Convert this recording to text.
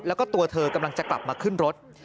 แล้วก็ตัวเธอกำลังจะกลับมาขึ้นรถ